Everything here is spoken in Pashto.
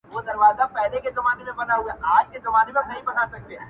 بس ده د خداى لپاره زړه مي مه خوره~